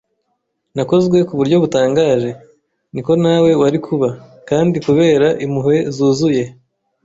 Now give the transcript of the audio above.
Nakozwe ku buryo butangaje - niko nawe wari kuba - kandi, kubera impuhwe zuzuye,